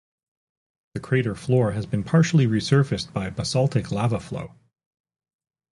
The crater floor has been partially resurfaced by basaltic lava flow.